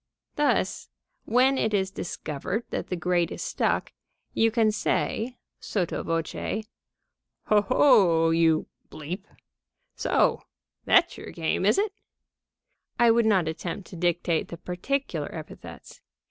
Thus, when it is discovered that the grate is stuck, you can say, sotto voce: "Ho, ho! you ! So that's your game, is it?" (I would not attempt to dictate the particular epithets.